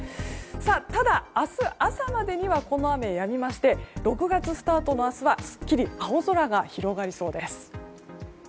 ただ、明日朝までにはこの雨はやみまして６月スタートの明日はすっきり青空が広がりそうです。